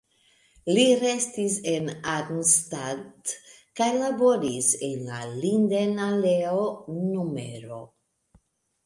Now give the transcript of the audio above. Li restis en Arnstadt kaj laboris en la Linden-aleo nr.